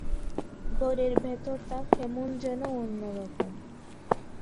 ঘরের ভেতরটা কেমন যেন অন্য রকম।